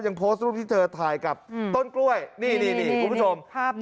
ยังโพสต์รูปที่เธอถ่ายกับอืมต้นกล้วยนี่นี่นี่คุณผู้ชมภาพนี้